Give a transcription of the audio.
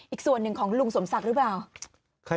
อีกส่วนหนึ่งของลุงสมศักดิ์หรือเปล่า